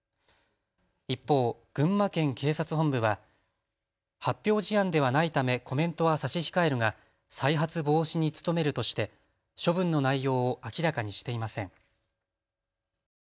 一方、群馬県警察本部は発表事案ではないためコメントは差し控えるが再発防止に努めるとして処分の内容を明らかにしていません。